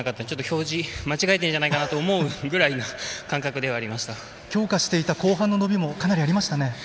表示、間違えてるんじゃないかなと思うぐらいの強化していた後半の伸びもかなりありましたね。